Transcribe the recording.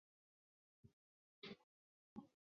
扁刺蔷薇为蔷薇科蔷薇属下的一个变种。